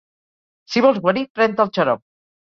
Si vols guarir pren-te el xarop.